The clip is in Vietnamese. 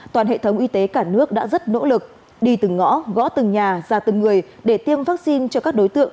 toàn hệ thống y tế cả nước đã rất nỗ lực đi từng ngõ gõ từng nhà ra từng người để tiêm vaccine cho các đối tượng